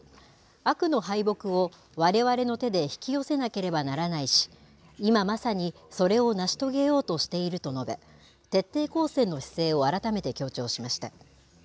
悪の敗北をわれわれの手で引き寄せなければならないし、今まさにそれを成し遂げようとしていると述べ、徹底抗戦の姿勢を改めて強調しました。